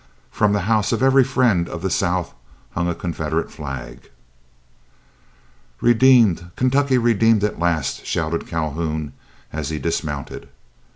From the house of every friend of the South hung a Confederate flag. "Redeemed! Kentucky redeemed at last!" shouted Calhoun, as he dismounted.